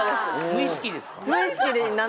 無意識ですか？